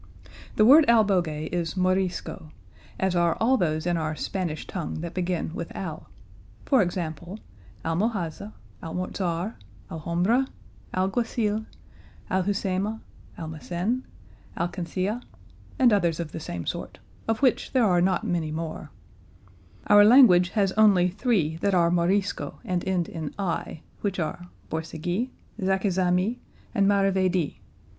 The word albogue is Morisco, as are all those in our Spanish tongue that begin with al; for example, almohaza, almorzar, alhombra, alguacil, alhucema, almacen, alcancia, and others of the same sort, of which there are not many more; our language has only three that are Morisco and end in i, which are borcegui, zaquizami, and maravedi.